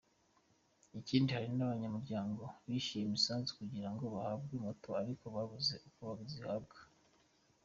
Ikindi hari n’abanyamuryango bishyuye imisanzu kugira ngo bahabwe moto ariko babuze uko bazihabwa.